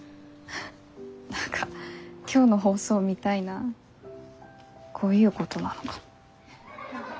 何か今日の放送みたいなこういうことなのかも。